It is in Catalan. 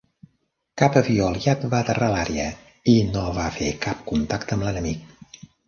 Cap avió aliat va aterrar a l'àrea, i no va fer cap contacte amb l'enemic.